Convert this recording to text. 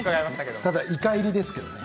ただ、いか入りですけどね。